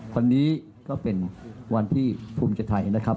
วันนี้ก็เป็นวันที่ภูมิใจไทยนะครับ